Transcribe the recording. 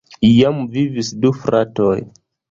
Iam vivis du fratoj.